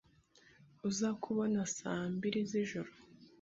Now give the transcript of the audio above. Uzakubona saa mbiri zijoro.